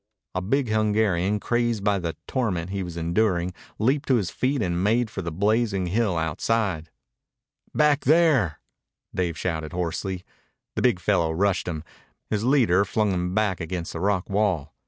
A big Hungarian, crazed by the torment he was enduring, leaped to his feet and made for the blazing hill outside. "Back there!" Dave shouted hoarsely. The big fellow rushed him. His leader flung him back against the rock wall.